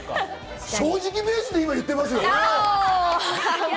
正直ベースで言っていますよ！